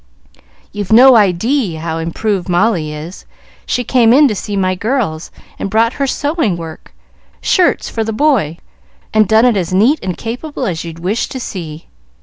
"You've no idee how improved Molly is. She came in to see my girls, and brought her sewing work, shirts for the boy, and done it as neat and capable as you'd wish to see.